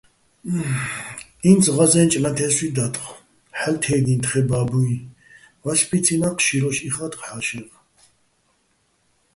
ი́ნც ღაზე́ნჭ ნათე́სვი დათხო̆, ჰ̦ალო̆ თე́გიჼ თხეჼ ბა́ბუჲ, ვაშბიცინა́ ჴშირუშ იხათხ ჰ̦ა́შეღ.